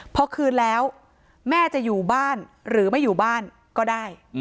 พอคืนแล้วแม่จะอยู่บ้านหรือไม่อยู่บ้านก็ได้